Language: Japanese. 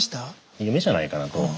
夢じゃないかなと。